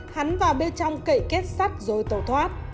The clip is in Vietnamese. hắn vào bên trong cậy kết sắt rồi tẩu thoát